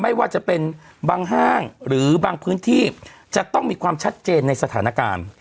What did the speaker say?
ไม่ว่าจะเป็นบางห้างหรือบางพื้นที่จะต้องมีความชัดเจนในสถานการณ์